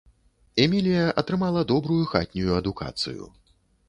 Эмілія атрымала добрую хатнюю адукацыю.